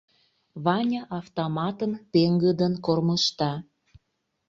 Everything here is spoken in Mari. Ваня автоматым пеҥгыдын кормыжта.